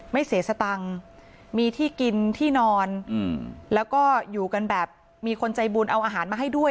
ไม่เสียสตังค์มีที่กินที่นอนแล้วก็อยู่กันแบบมีคนใจบุญเอาอาหารมาให้ด้วย